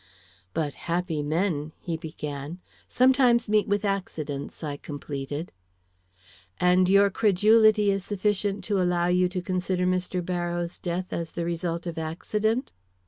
"But happy men " he began. "Sometimes meet with accidents," I completed. "And your credulity is sufficient to allow you to consider Mr. Barrows' death as the result of accident?"